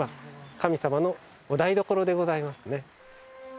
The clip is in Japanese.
神様のお台所でございますね。